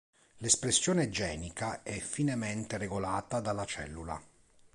L'espressione genica è finemente regolata dalla cellula.